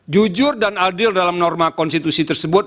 jujur dan adil dalam norma konstitusi tersebut